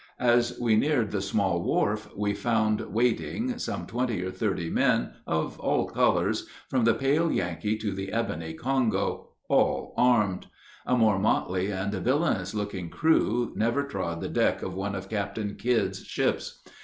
As we neared the small wharf, we found waiting some twenty or thirty men, of all colors, from the pale Yankee to the ebony Congo, all armed: a more motley and villainous looking crew never trod the deck of one of Captain Kidd's ships.